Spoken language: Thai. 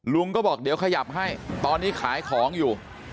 ลุงก็บอกเดี๋ยวขยับให้ตอนนี้ขายของอยู่